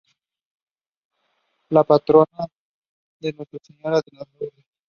La patrona es Nuestra Señora de Lourdes.